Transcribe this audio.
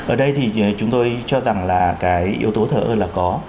ở đây thì chúng tôi cho rằng là cái yếu tố thở ơ là có